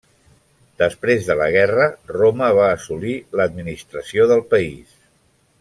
Després de la guerra, Roma va assolir l'administració del país.